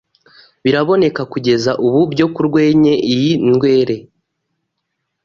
bireboneke kugeze ubu byo kurwenye iyi ndwere.